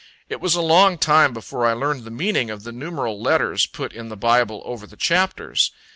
It was a long time before I learned the meaning of the numeral letters put in the Bible over the chapters.